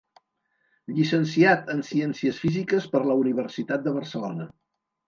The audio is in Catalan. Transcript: Llicenciat en Ciències Físiques per la Universitat de Barcelona.